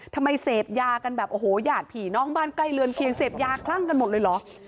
เสพยากันแบบโอ้โหหยาดผีน้องบ้านใกล้เรือนเคียงเสพยาคลั่งกันหมดเลยเหรอ